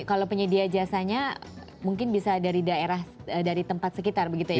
kalau penyedia jasanya mungkin bisa dari daerah dari tempat sekitar begitu ya